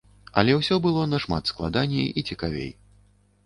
Але ўсё было нашмат складаней і цікавей.